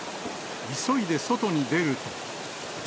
急いで外に出ると。